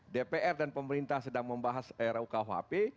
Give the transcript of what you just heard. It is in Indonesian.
dpr dan pemerintah sedang membahas rukuhp